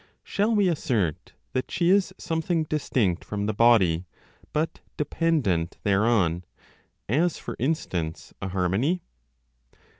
Shall we assert that she is something distinct from the body, but dependent thereon, as, for instance, a harmony?